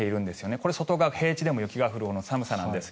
これ、外側平地でも雪が降るほどの寒さなんですが。